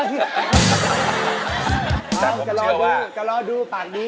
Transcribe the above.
ก็รอดูอย่ารู้